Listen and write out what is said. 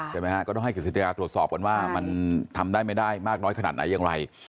ใช่ไหมฮะก็ต้องให้กฤษฎิกาตรวจสอบก่อนว่ามันทำได้ไม่ได้มากน้อยขนาดไหนอย่างไร